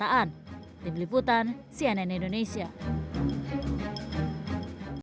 angin puting beliung di sebuah kapal